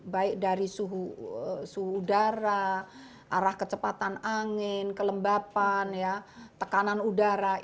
baik dari suhu udara arah kecepatan angin kelembapan tekanan udara